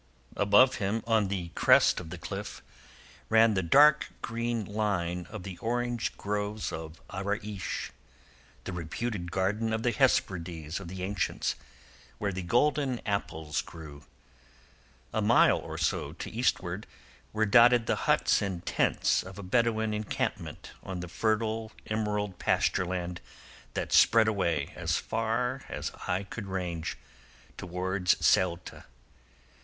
Above him on the crest of the cliff ran the dark green line of the orange groves of Araish—the reputed Garden of the Hesperides of the ancients, where the golden apples grew. A mile or so to eastward were dotted the huts and tents of a Bedouin encampment on the fertile emerald pasture land that spread away, as far as eye could range, towards Ceuta.